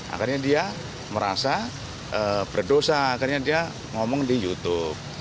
akhirnya dia merasa berdosa akhirnya dia ngomong di youtube